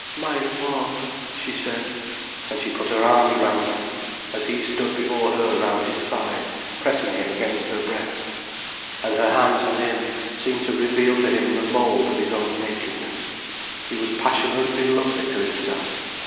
"My love!" she said. And she put her arms round him as he stood before her round his thighs, pressing him against her breast. And her hands on him seemed to reveal to him the mould of his own nakedness, he was passionately lovely to himself.